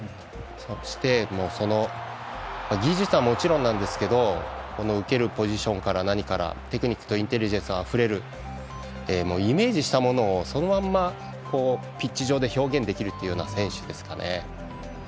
そして技術はもちろんなんですけどこの受けるポジションから何からテクニックとインテリジェンスあふれるイメージしたものをそのままピッチ上で表現できるというような選手ですかね。